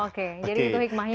oke jadi itu hikmahnya